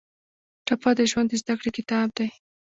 ټپه د ژوند د زده کړې کتاب دی.